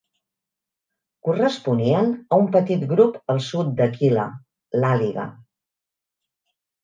Corresponien a un petit grup al sud d'Aquila, l'àliga